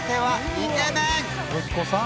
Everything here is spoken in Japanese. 息子さん？